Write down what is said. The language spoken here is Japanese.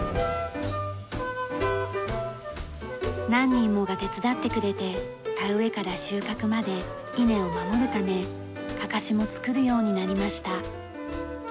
何人もが手伝ってくれて田植えから収穫まで稲を守るため案山子も作るようになりました。